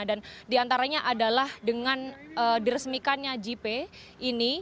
dan diantaranya adalah dengan diresmikannya jipe ini